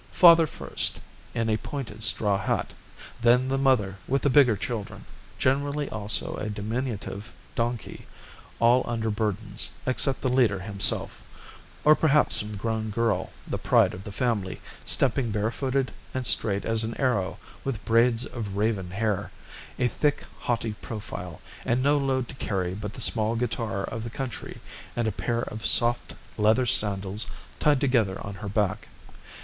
Father first, in a pointed straw hat, then the mother with the bigger children, generally also a diminutive donkey, all under burdens, except the leader himself, or perhaps some grown girl, the pride of the family, stepping barefooted and straight as an arrow, with braids of raven hair, a thick, haughty profile, and no load to carry but the small guitar of the country and a pair of soft leather sandals tied together on her back.